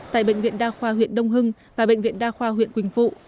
tại bệnh viện đa khoa huyện đông hưng và bệnh viện đa khoa huyện quỳnh phụ